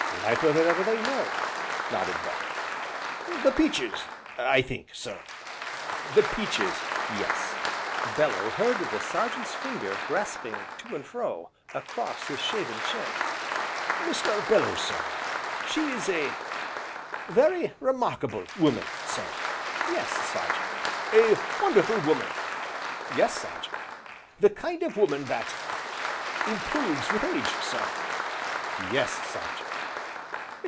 "Riper than ever they were!" nodded Bellew. "The peaches, I think, sir?" "The peaches, yes." Bellew heard the Sergeant's finger rasping to and fro across his shaven chin. "Mr. Bellew, sir she is a very remarkable woman, sir!" "Yes, Sergeant!" "A wonderful woman!" "Yes, Sergeant!" "The kind of woman that improves with age, sir!" "Yes, Sergeant."